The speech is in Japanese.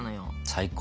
最高。